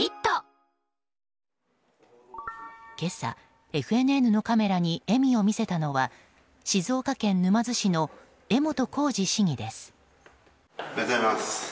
今朝、ＦＮＮのカメラに笑みを見せたのは静岡県沼津市の江本浩二市議です。